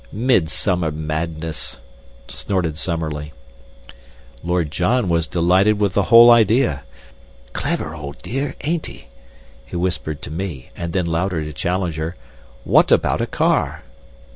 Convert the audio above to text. "Midsummer madness!" snorted Summerlee. Lord John was delighted with the whole idea. "Clever old dear, ain't he?" he whispered to me, and then louder to Challenger. "What about a car?"